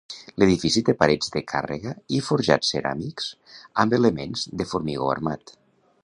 L'edifici té parets de càrrega i forjats ceràmics amb elements de formigó armat.